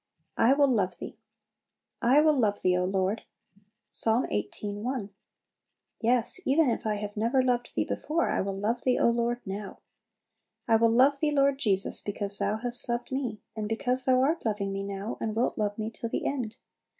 I will love Thee "I will love Thee, O Lord." Ps. xviii. 1. Yes, even if I have never loved Thee before, I will love Thee, O Lord, now! I will love Thee, Lord Jesus, because Thou hast loved me, and because Thou art loving me now, and wilt love me to the end.